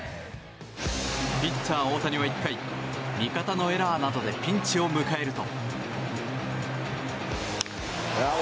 ピッチャー大谷は１回味方のエラーなどでピンチを迎えると。